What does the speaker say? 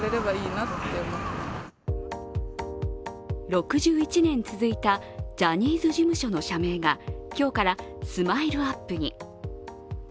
６１年続いたジャニーズ事務所の社名が今日からＳＭＩＬＥ−ＵＰ．に。